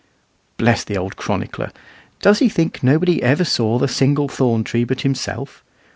Bless the old chronicler! Does he think nobody ever saw the "single thorn tree" but himself?